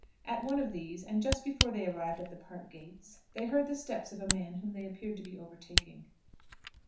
At one of these, and just before they arrived at the Park gates, they heard the steps of a man whom they appeared to be overtaking.